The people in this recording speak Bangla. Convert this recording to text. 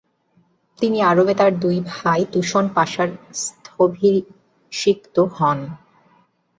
তিনি আরবে তার ভাই তুসুন পাশার স্থলাভিষিক্ত হন।